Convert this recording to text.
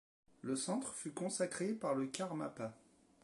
Le centre fut consacré par le Karmapa.